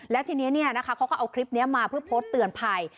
แล้วทีนี้เขาก็เอาคลิปนี้มาเพื่อโพสต์เตือนภัย